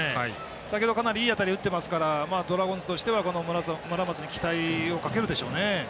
先ほど、かなりいい当たりを打っていますからドラゴンズとしては村松に期待をかけるでしょうね。